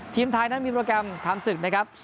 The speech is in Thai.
ทีมไทยนั้นมีโปรแกรมทำศึกนะครับ